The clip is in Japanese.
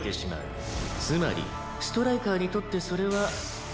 「つまりストライカーにとってそれはハズレの場所だ」